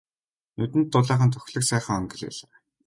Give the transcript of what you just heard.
Нүдэнд дулаахан тохилог сайхан хонгил байлаа.